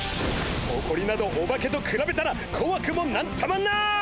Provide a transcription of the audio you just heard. ほこりなどオバケとくらべたらこわくも何ともない！